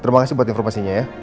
terima kasih buat informasinya ya